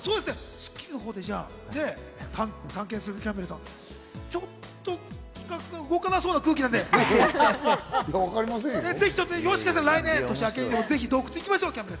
『スッキリ』のほうで、じゃあ探検するキャンベルさん、ちょっと企画が動かなそうな空気なので、もしかしたら来年年明けにでも行きましょう。